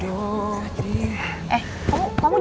kamu jaman cerdas